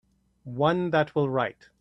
One that will write.